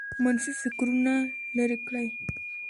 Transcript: منفي فکرونه لرې کړئ